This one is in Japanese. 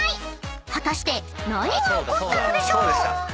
［果たして何が起こったのでしょう？］